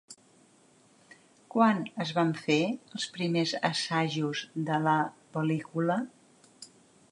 Quan es van fer els primers assajos de la pel·lícula?